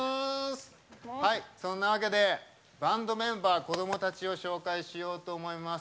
そんなわけでバンドメンバー子どもたちを紹介しようと思います。